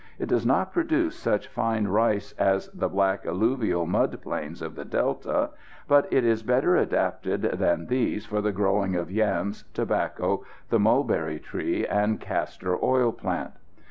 It does not produce such fine rice as the black alluvial mud plains of the Delta, but it is better adapted than these for the growing of yams, tobacco, the mulberry tree and castor oil plant.